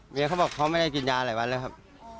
เขาบอกเขาไม่ได้กินยาหลายวันแล้วครับ